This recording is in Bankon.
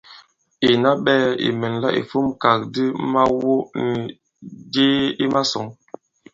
Ìna ɓɛɛ̄ ì mɛ̀nla ìfumkàgàdi mawɔ nì jee ì màsɔ̌ŋ.